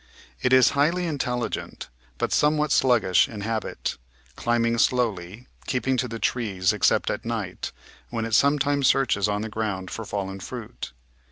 It is highly intelligent, but somewhat sluggish in habit, climbing slowly, keep ing to the trees except at night, when it sometimes searches on the ground for fallen fruit.